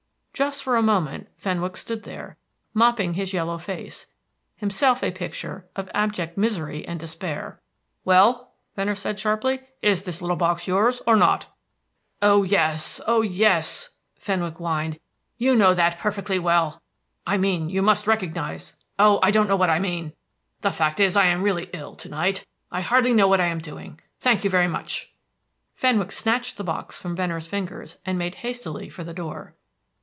Just for a moment Fenwick stood there, mopping his yellow face, himself a picture of abject misery and despair. "Well?" Venner said sharply. "Is this little box yours, or not?" "Oh, yes, oh yes," Fenwick whined. "You know that perfectly well I mean, you must recognise oh, I don't know what I mean. The fact is, I am really ill to night. I hardly know what I am doing. Thank you, very much." Fenwick snatched the box from Venner's fingers, and made hastily for the door.